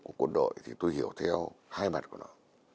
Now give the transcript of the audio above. của quân đội thì tôi hiểu theo hai mặt của nó